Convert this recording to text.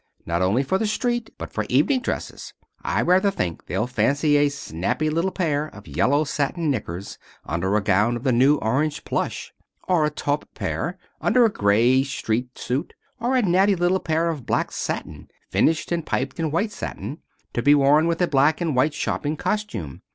Not only for the street, but for evening dresses. I rather think they'll fancy a snappy little pair of yellow satin knickers under a gown of the new orange plush. Or a taupe pair, under a gray street suit. Or a natty little pair of black satin, finished and piped in white satin, to be worn with a black and white shopping costume.